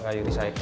oh menarik juga ya